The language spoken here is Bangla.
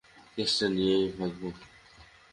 কেসটা নিয়েই, ভাগবো।